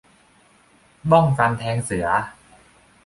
บ้องตันแทงเสือ